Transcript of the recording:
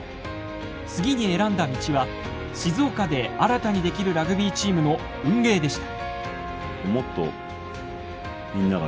次に選んだ道は静岡で新たに出来るラグビーチームの運営でした。